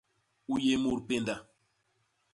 U yé mut pénda.